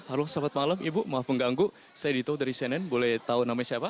halo selamat malam ibu maaf pengganggu saya dito dari cnn boleh tahu namanya siapa